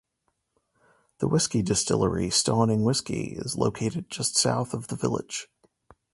The whisky distillery Stauning Whisky is located just south of the village.